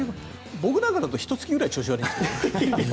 僕なんかだとひと月ぐらい調子が悪いけどね。